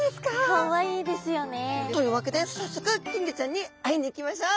かわいいですよね。というわけで早速金魚ちゃんに会いに行きましょう。